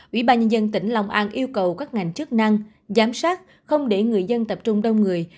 ủy ban nhân dân tỉnh long an yêu cầu các ngành chức năng giám sát không để người dân tập trung đông người